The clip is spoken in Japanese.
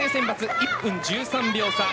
１分１３秒差。